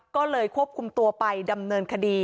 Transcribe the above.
ก็เลยควบคุมตัวไปดำเนินคดี